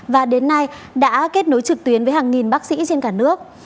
và đến nay đã kết nối trực tuyến với hàng nghìn bác sĩ trên cả nước